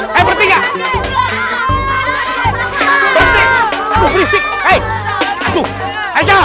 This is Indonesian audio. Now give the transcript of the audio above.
hei gempa bangun jangan jangan